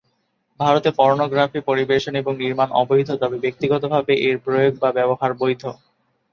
ভারতে পর্নোগ্রাফি পরিবেশন এবং নির্মাণ অবৈধ; তবে ব্যক্তিগতভাবে এর প্রয়োগ বা ব্যবহার বৈধ।